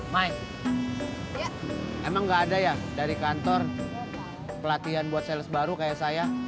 mike emang gak ada ya dari kantor pelatihan buat sales baru kayak saya